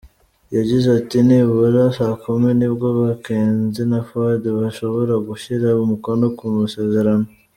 Yagize ati” Nibura saa kumi nibwo Mackenzie na Fuad bashobora gushyira umukono ku masezerano.